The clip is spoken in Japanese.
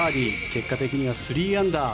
結果的には３アンダー。